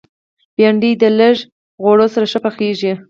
بېنډۍ د لږ غوړو سره ښه پخېږي